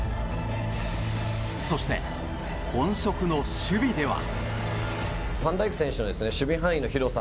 そして、本職の守備では。